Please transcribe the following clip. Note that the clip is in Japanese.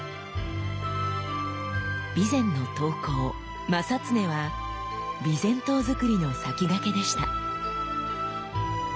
備前の刀工正恒は備前刀作りの先駆けでした。